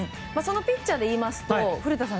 ピッチャーでいいますと古田さん